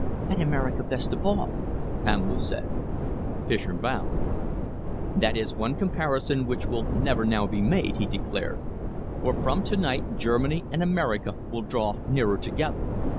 "And America best of all," Pamela said. Fischer bowed. "That is one comparison which will never now be made," he declared, "for from to night Germany and America will draw nearer together.